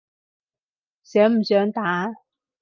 想唔想打？